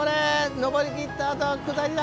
上り切った後は下りだ。